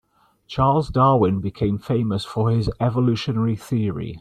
Charles Darwin became famous for his evolutionary theory.